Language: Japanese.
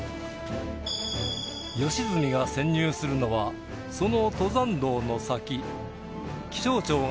良純が潜入するのはその登山道の先